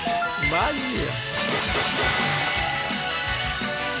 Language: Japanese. マジや！